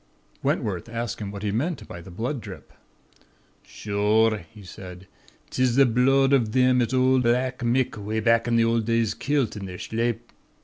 "Wentworth asked him what he meant by the blood drip. "'Shure,' he said, ''tis the bhlood av thim as ould Black Mick 'way back in the ould days kilt in their shlape.